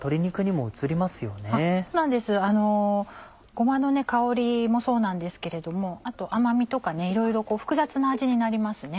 ごまの香りもそうなんですけれどもあと甘みとかいろいろ複雑な味になりますね。